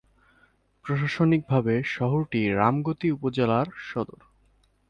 প্রশাসনিকভাবে শহরটি রামগতি উপজেলার সদর।